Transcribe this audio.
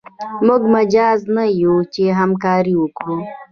موږ مجاز نه یو چې همکاري وکړو.